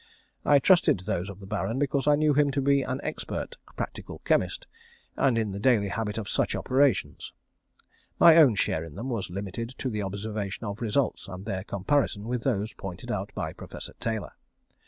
I trusted to those of the Baron, because I knew him to be an expert practical chemist, and in the daily habit of such operations. My own share in them was limited to the observation of results, and their comparison with those pointed out by Professor Taylor.